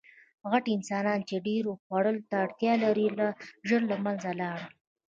غټ انسانان، چې ډېرو خوړو ته یې اړتیا لرله، ژر له منځه لاړل.